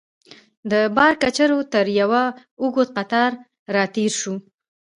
د بار کچرو تر یوه اوږد قطار راتېر شوو.